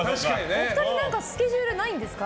お二人スケジュールないんですか。